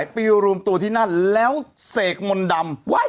ไปรวมตัวที่นั่นแล้วเสกมนต์ดำ